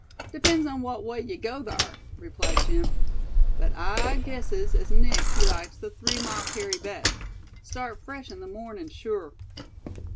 "Depends on what way yuh go thar," replied Jim, "but I guesses as Nick he likes the three mile carry best. Start fresh in the mornin' sure."